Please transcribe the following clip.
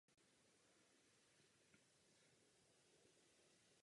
Současně bojoval proti uctívání hrobek a svatyní.